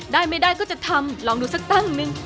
ได้ไม่ได้ก็จะทำลองดูสักตั้งนึง